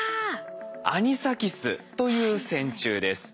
アニサキスという線虫です。